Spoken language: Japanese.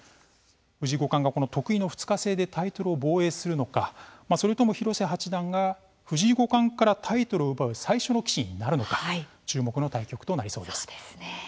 藤井五冠が得意の２日制でタイトルを防衛するのかそれとも広瀬八段が藤井五冠からタイトルを奪う最初に棋士になるのか注目の対局となりそうです。